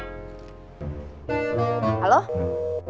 ada kangus udah dulu nelfonnya